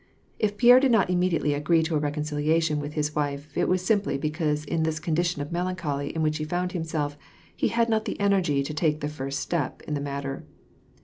If Pierre did not immedi ately agree to a reconciliation with his wife, it was simply because in this condition of melancholy in which he found himself, he had not the energy to take the first step in the matter.